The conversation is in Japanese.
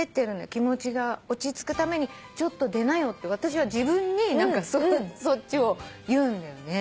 気持ちが落ち着くためにちょっと出なよ」って私は自分に言うんだよね。